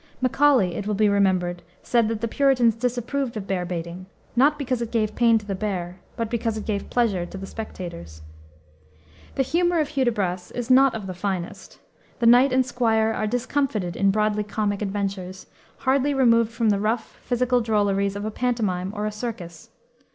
(Macaulay, it will be remembered, said that the Puritans disapproved of bear baiting, not because it gave pain to the bear, but because it gave pleasure to the spectators.) The humor of Hudibras is not of the finest. The knight and squire are discomfited in broadly comic adventures, hardly removed from the rough, physical drolleries of a pantomime or a circus.